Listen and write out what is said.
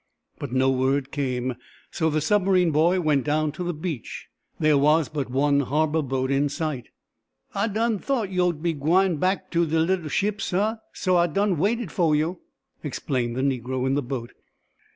But no word came, so the submarine boy went down to the beach. There was but one harbor boat in sight. "Ah done thought yo'd be gwine back to do little ship, sah, so Ah done waited fo' you'," explained the negro in the boat.